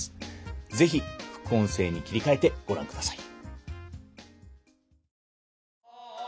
是非副音声に切り替えてご覧ください。